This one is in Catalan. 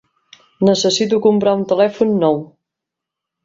Necessito comprar un telèfon nou.